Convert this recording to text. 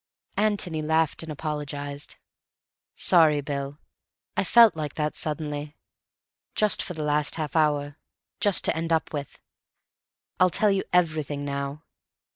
Antony laughed and apologized. "Sorry, Bill. I felt like that suddenly. Just for the last half hour; just to end up with. I'll tell you everything now.